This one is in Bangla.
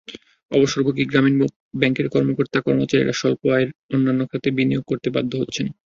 অবসরভোগী গ্রামীণ ব্যাংকের কর্মকর্তা-কর্মচারীরা স্বল্প আয়ের অন্যান্য খাতে বিনিয়োগ করতে বাধ্য হচ্ছেন।